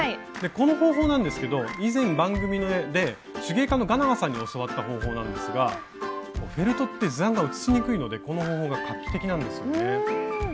この方法なんですけど以前番組で手芸家のがなはさんに教わった方法なんですがフェルトって図案が写しにくいのでこの方法が画期的なんですよね。